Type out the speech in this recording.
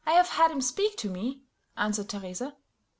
] "Well, I've had him speak to me," answered Teresa.